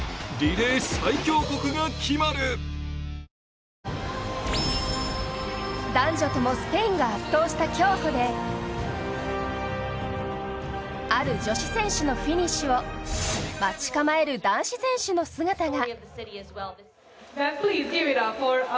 続く男女ともスペインが圧倒した競歩である女子選手のフィニッシュを待ち構える男子選手の姿が。